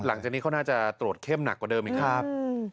หลังจากนี้เขาน่าจะตรวจเข้มหนักกว่าเดิมอีกครับ